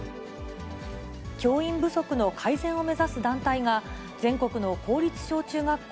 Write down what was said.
教員不足の改善を目指す団体が全国の公立小中学校